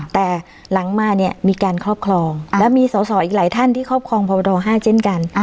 แต่หลังมาเนี่ยมีการครอบครองและมีสอสออีกหลายท่านที่ครอบครองพบ๕เช่นกัน